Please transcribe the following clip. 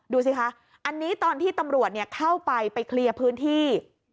ดูสิคะอันนี้ตอนที่ตำรวจเข้าไปไปเคลียร์พื้นที่